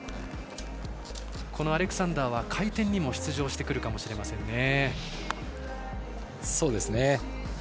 アレクサンダーは回転にも出場してくるかもしれません。